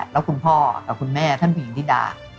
แล้วคุณพ่อกับคุณแม่ท่านผู้หญิงนิดา